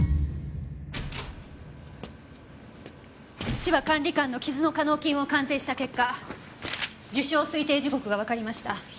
芝管理官の傷の化膿菌を鑑定した結果受傷推定時刻がわかりました。